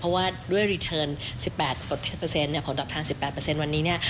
เพราะว่าด้วยรีเทิร์น๑๘ผลตอบแทน๑๘วันนี้เนี่ย